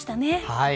はい。